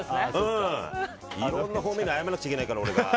いろんな方面に謝らなくちゃいけないから、俺が。